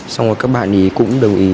xong rồi các bạn cũng đồng ý